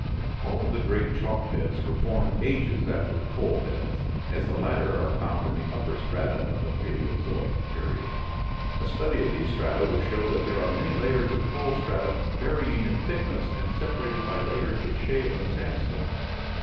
All of the great chalk beds were formed ages after the coal beds, as the latter are found in the upper strata of the Paleozoic period. A study of these strata will show that there are many layers of coal strata varying in thickness and separated by layers of shale and sandstone.